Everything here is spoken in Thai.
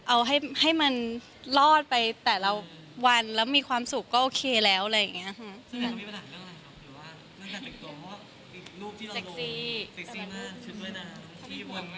คิดว่าเล่นงานตัดตัดตัวก็รูปที่เราลงสติสิมากชุดเวราะห์ที่บนชั้นดับ